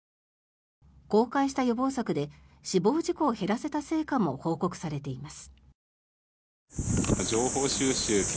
公開した予防策で死亡事故を減らせた成果も報告されています。